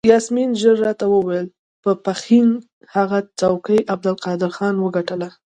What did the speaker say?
یاسمین ژر راته وویل د پښین هغه څوکۍ عبدالقهار خان وګټله.